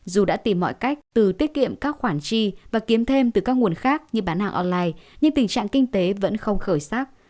dù đã tìm mọi cách từ tiết kiệm các khoản chi và kiếm thêm từ các nguồn khác như bán hàng online nhưng tình trạng kinh tế vẫn không khởi sắc